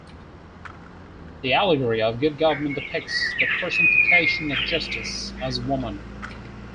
The Allegory of Good Government depicts the personification of Justice as a woman.